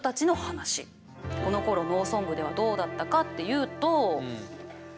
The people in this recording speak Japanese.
このころ農村部ではどうだったかっていうと。